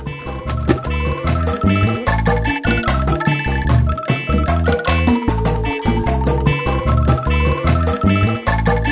sampai keburu maghrib